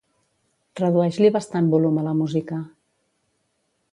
Redueix-li bastant volum a la música.